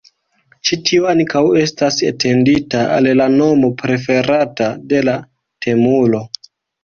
Ĉi tio ankaŭ estas etendita al la nomo preferata de la temulo.